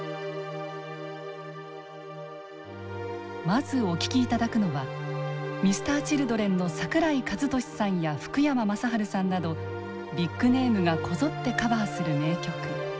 まずお聴き頂くのはＭｒ．Ｃｈｉｌｄｒｅｎの桜井和寿さんや福山雅治さんなどビッグネームがこぞってカバーする名曲「糸」。